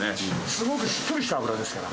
すごくしっとりした脂ですから。